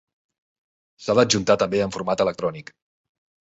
S'ha d'adjuntar també en format electrònic.